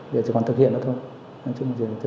giờ chỉ còn thực hiện nữa thôi